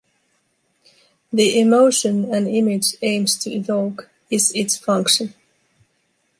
The emotion an image aims to evoke is its function.